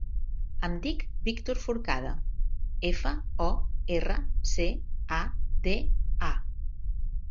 Em dic Víctor Forcada: efa, o, erra, ce, a, de, a.